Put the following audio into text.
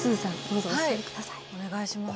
お願いします。